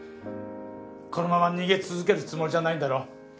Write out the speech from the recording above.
このまま逃げ続けるつもりじゃないんだろ。